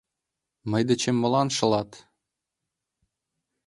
Мый дечем молан шылат?